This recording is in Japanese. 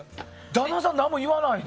旦那さん何も言わないの？